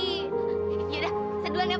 ya udah seduan ya pak